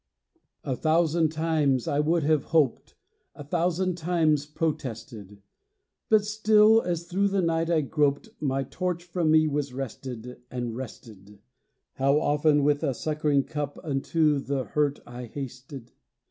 A thousand times I would have hoped, A thousand times protested; But still, as through the night I groped, My torch from me was wrested, and wrested. How often with a succoring cup Unto the hurt I hasted!